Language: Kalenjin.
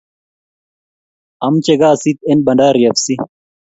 Amche kasit en bandari fc